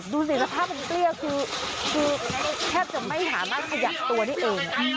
ดูสิภาพมันเปรี้ยวคือแทบจะไม่หามาขยะตัวนี่เอง